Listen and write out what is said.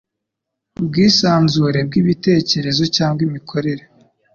ubwisanzure bw’ibitekerezo cyangwa imikorere